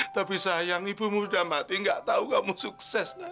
tapi sayang ibu muda mati nggak tahu kamu sukses nak